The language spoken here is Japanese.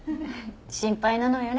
心配なのよね